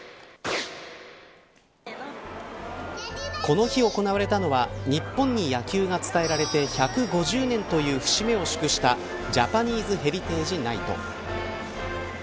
この日行われたのは日本に野球が伝えられて１５０年という節目を祝したジャパニーズ・ヘリテージ・ナイト。